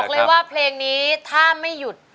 เลยว่าเพลงนี้ถ้าไม่หยุด